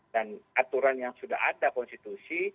dan aturan yang sudah ada konstitusi